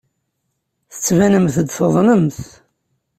Tettbanemt-d tuḍnemt.